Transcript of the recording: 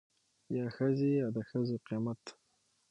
يا ښځې يا دښځو قيمت.